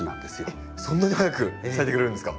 えっそんなに早く咲いてくれるんですか？